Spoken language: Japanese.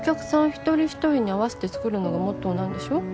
一人一人に合わせて作るのがモットーなんでしょ？